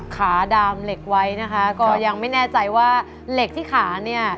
ขาดามเหล็กไว้นะคะก็ยังไม่แน่ใจว่าเหล็กที่ขาเนี่ย